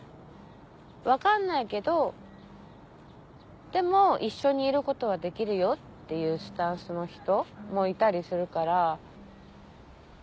「分かんないけどでも一緒にいることはできるよ」っていうスタンスの人もいたりするから。